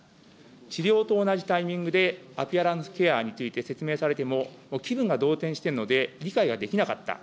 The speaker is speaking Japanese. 治療と同じタイミングで、アピアランスケアについて説明されても、気分が動転しているので理解ができなかった。